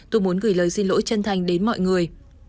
tôi muốn gửi lời xin lỗi chân thành đến mọi người